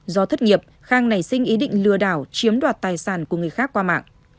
do thất nghiệp khang nảy sinh ý định lừa đảo chiếm đoạt tài sản của người khác qua mạng